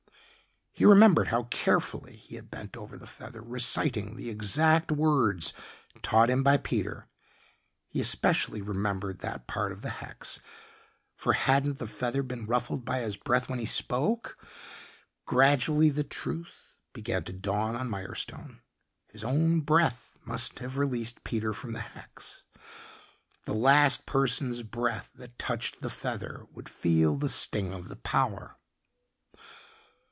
He remembered how carefully he had bent over the feather reciting the exact words taught him by Peter. He especially remembered that part of the hex, for hadn't the feather been ruffled by his breath when he spoke.... Gradually the truth began to dawn on Mirestone. His own breath must have released Peter from the hex. The last person's breath that touched the feather would feel the sting of the power.